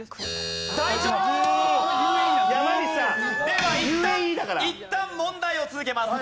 ではいったんいったん問題を続けます。